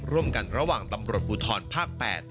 ร่วมกันระหว่างตำรวจภูทรภาค๘